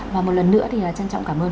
và một lần nữa thì trân trọng cảm ơn